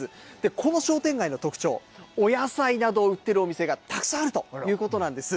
この商店街の特徴、お野菜などを売ってるお店がたくさんあるということなんです。